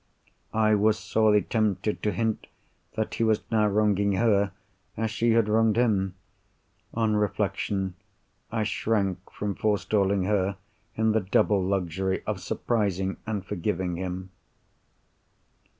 I was sorely tempted to hint that he was now wronging her as she had wronged him. On reflection, I shrank from forestalling her in the double luxury of surprising and forgiving him.